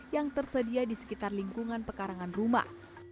yang tersedia di sekitar lingkungan pekarangan rumah